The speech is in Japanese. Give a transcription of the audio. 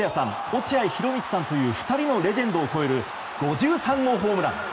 落合博満さんという２人のレジェンドを超える５３号ホームラン。